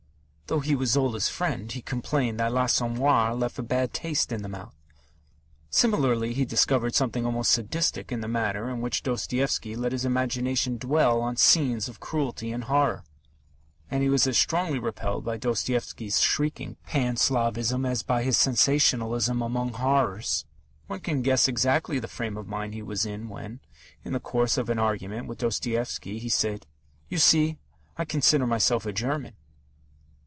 Though he was Zola's friend, he complained that L'Assommoir left a bad taste in the mouth. Similarly, he discovered something almost Sadistic in the manner in which Dostoevsky let his imagination dwell on scenes of cruelty and horror. And he was as strongly repelled by Dostoevsky's shrieking Pan Slavism as by his sensationalism among horrors. One can guess exactly the frame of mind he was in when, in the course of an argument with Dostoevsky, he said: "You see, I consider myself a German."